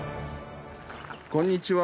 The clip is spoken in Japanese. こんにちは。